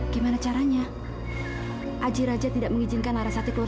gimana caranya aji raja tidak mengizinkan laras hati keluar